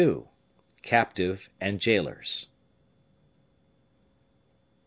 Captive and Jailers.